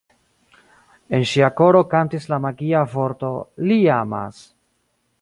En ŝia koro kantis la magia vorto: „Li amas!